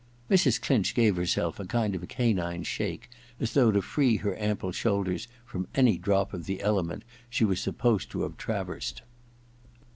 * Mrs. Clinch gave herself a kind of canine shake, as though to free her ample shoulders from any drop of the element she was supposed to have traversed.